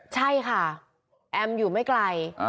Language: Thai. ใช่ค่ะแอมอยู่ไม่ไกล